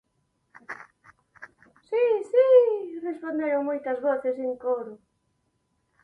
-Si, si! -responderon moitas voces en coro-.